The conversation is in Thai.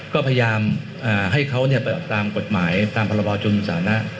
ก็พยายามให้เขาเนี่ยไปออกตามกฎหมายตามภรรพาวชุมศาลนะ